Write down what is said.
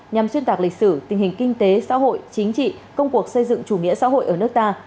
nhằm xuyên tạc lịch sử tình hình kinh tế xã hội chính trị công cuộc xây dựng chủ nghĩa xã hội ở nước ta